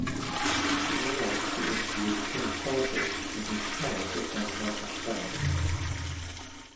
In Irak she interviewed king Faisal in his "palais just outside Baghdad".